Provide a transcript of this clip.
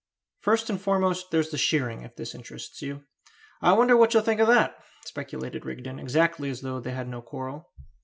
"First and foremost there's the shearing; if this interests you, I wonder what you'll think of that?" speculated Rigden, exactly as though they had no quarrel.